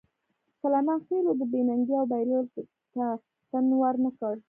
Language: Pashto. سلیمان خېلو د بې ننګۍ او بایللو ته تن ور نه کړ.